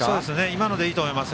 今のでいいと思います。